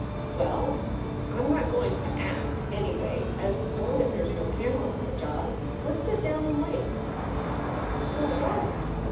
"Well, I m not going to act, anyway, as long as there s no camera on the job. Let s sit down and wait." "For what?"